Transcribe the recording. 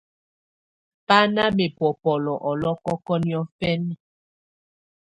Bá nà mɛbɔbɔlɔ̀ ɔlɔ̀kɔkɔ̀ niɔ̀̀fɛna.